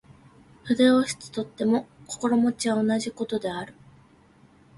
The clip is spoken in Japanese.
筆を執とっても心持は同じ事である。